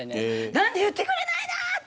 何で言ってくれないのって。